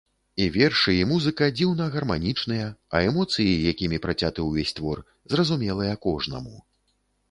І вершы, і музыка дзіўна гарманічныя, а эмоцыі, якімі працяты ўвесь твор, зразумелыя кожнаму.